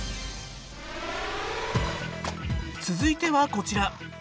続いてはこちら。